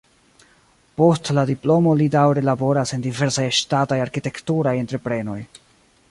Post la diplomo li daŭre laboras en diversaj ŝtataj arkitekturaj entreprenoj.